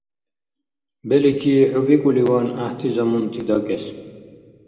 Белики, хӀу бикӀуливан, гӀяхӀти замунти дакӀес…